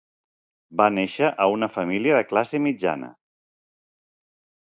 Va néixer a una família de classe mitjana.